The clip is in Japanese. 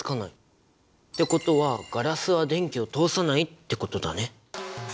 ってことはガラスは電気を通さないってことだね。